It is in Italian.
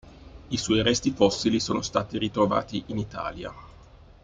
I suoi resti fossili sono stati ritrovati in Italia.